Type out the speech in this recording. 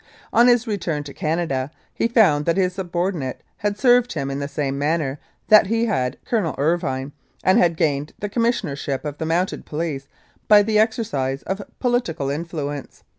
On his return to Canada, he found that his subordinate had served him in the same manner that he had Colonel Irvine, and had gained the Commissionership of the Mounted Police by the exercise of political influence.